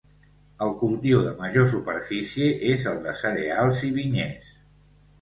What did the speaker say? El cultiu de major superfície és el de cereals i vinyers.